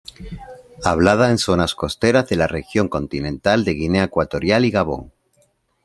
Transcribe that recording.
Hablada en zonas costeras de la región continental de Guinea Ecuatorial y Gabón.